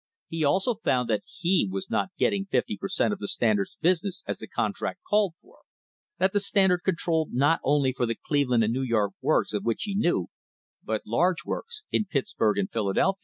He also found that he was not getting fifty per cent, of the Standard's business as the contract called for — that the Standard controlled not only the Cleveland and New York works of which he knew, but large works in Pittsburg and Philadelphia.